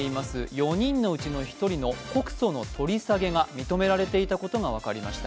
４人のうちの１人の告訴の取り下げが認められていたことが分かりました。